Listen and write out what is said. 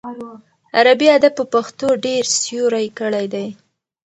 عربي ادب په پښتو ډېر سیوری کړی دی.